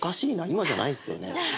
今じゃないっすよね